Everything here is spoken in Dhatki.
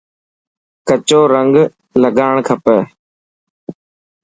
ڪچو رنگ لگان کپي.